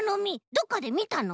どこかでみたの？